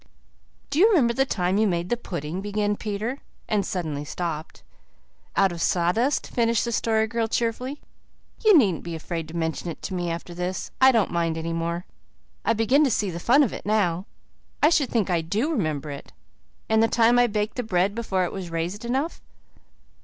"Do you remember the time you made the pudding " began Peter, and suddenly stopped. "Out of sawdust?" finished the Story Girl cheerfully. "You needn't be afraid to mention it to me after this. I don't mind any more. I begin to see the fun of it now. I should think I do remember it and the time I baked the bread before it was raised enough."